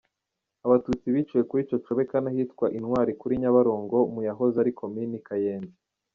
Abatutsi biciwe kuri Cocobeka n’ahitwa Intwari kuri Nyabarongo mu yahoze ari Komini Kayenzi.